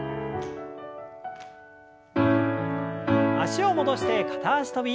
脚を戻して片脚跳び。